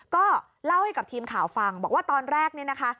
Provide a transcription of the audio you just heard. ก็เล่าให้กับทีมข่าวฟังบอกว่าตอนแรกเนี่ยนะคะ